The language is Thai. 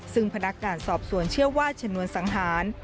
ซึ่งพนักงานสอบสวนเชื่อว่าชนวนสังหาร